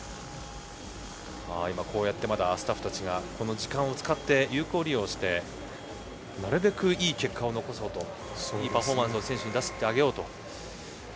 こうやってまだスタッフたちがこの時間を有効利用してなるべくいい結果を残そうといいパフォーマンスを選手に出させてあげようと。